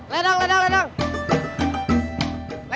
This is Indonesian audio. bapak bisa mencoba